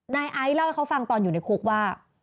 นายไอซ์เล่าให้เขาฟังตอนอยู่ในคุกว่า